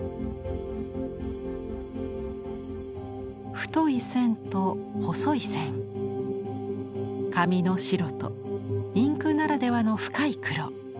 太い線と細い線紙の白とインクならではの深い黒。